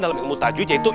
dalam ilmu tajwid yaitu